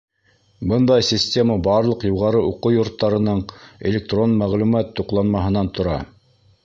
Бындай система барлыҡ юғары уҡыу йорттарының электрон мәғлүмәт тупланмаһынан тора.